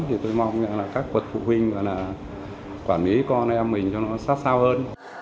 thì tôi mong các bậc phụ huynh gọi là quản lý con em mình cho nó sát sao hơn